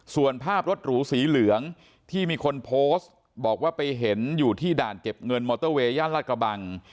ส่วนภาพรถหรูสีเหลืองที่มีคนโพสต์บอกว่าไปเห็นอยู่ที่ด่านเก็บเงินมอเตอร์เวยย่านลาดกระบัง